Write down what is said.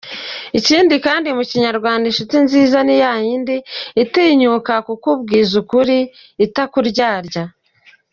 Ikindi kandi mu Kinyarwanda inshuti nziza ni yayindi itinyuka kukubwiza ukuri itakuryarya.